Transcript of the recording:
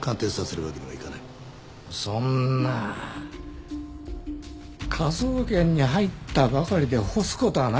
科捜研に入ったばかりで干す事はないだろう！